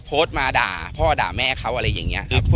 โพสต์มาด่าพ่อด่าแม่เขาอะไรอย่างนี้